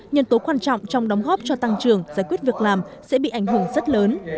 nhân tố quan trọng trong đóng góp cho tăng trưởng giải quyết việc làm sẽ bị ảnh hưởng rất lớn